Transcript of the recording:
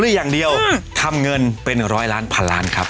ได้อย่างเดียวทำเงินเป็นร้อยล้านพันล้านครับ